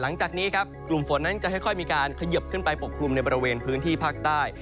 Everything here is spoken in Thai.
หลังจากนี้ครับกลุ่มฝนนั้นจะค่อยมีการเขยิบขึ้นไปปกคลุมในบริเวณพื้นที่ภาคใต้